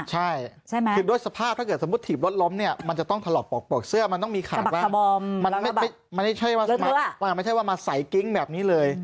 ใช่คือด้วยสภาพถ้าเกิดสมมุติถีบรถล้มเนี่ยมันจะต้องถลอกปอกเสื้อมันต้องมีข่าวว่ามันไม่ใช่ว่าไม่ใช่ว่ามาใส่กิ๊งแบบนี้เลย